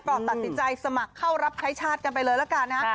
ก็ตัดสินใจสมัครเข้ารับใช้ชาติกันไปเลยละกันนะฮะ